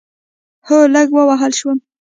هو، لږ ووهل شوم